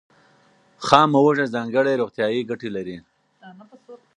خامه هوږه ځانګړې روغتیایي ګټې لري.